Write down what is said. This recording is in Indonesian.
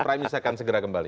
prime news akan segera kembali